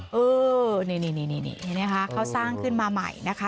หือนี่เขาสร้างขึ้นมาใหม่นะฮะ